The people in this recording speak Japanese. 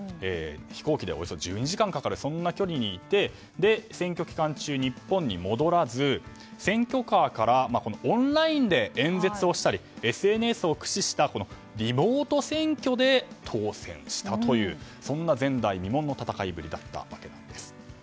飛行機でおよそ１２時間かかるそんな距離にいて選挙期間中、日本に戻らず選挙カーからオンラインで演説をしたりＳＮＳを駆使したリモート選挙で当選したというそんな前代未聞の戦いぶりだったわけです。